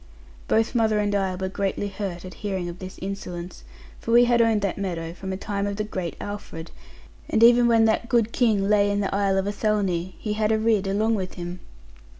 Both mother and I were greatly hurt at hearing of this insolence: for we had owned that meadow, from the time of the great Alfred; and even when that good king lay in the Isle of Athelney, he had a Ridd along with him.